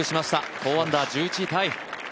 ４アンダー１１位タイ。